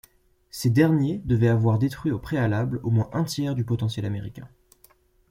Ces derniers devaient avoir détruit au préalable au moins un tiers du potentiel américain.